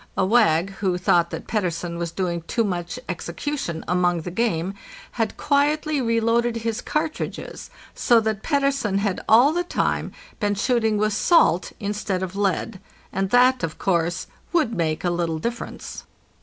A wag, who thought that Pettersen was doing too much execution among the game, had quietly reloaded his cartridges, so that Pettersen had all the time been shooting with salt instead of lead, and that, of course, would make a little difference.